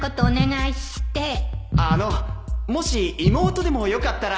あのもし妹でもよかったら